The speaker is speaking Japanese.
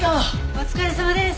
お疲れさまです。